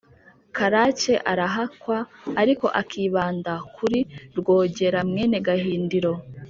karake arahakwa, ariko akibanda kuri rwogera mwene gahindiro,